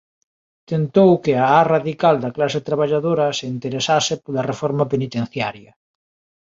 tentou que a á radical da clase traballadora se interesase pola reforma penitenciaria.